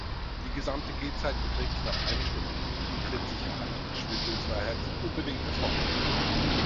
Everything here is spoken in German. Die gesamte Gehzeit beträgt knapp eine Stunde, Trittsicherheit und Schwindelfreiheit sind unbedingt erforderlich.